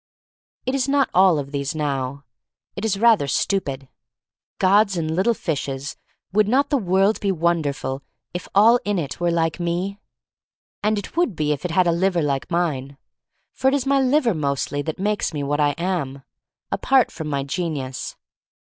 It is not all of these now. It is rather stupid. Gods and little fishes! would not the world be wonderful if all in it were like me? And it would be if it had a liver like mine. For it is my liver mostly that makes me what I am — apart from my genius.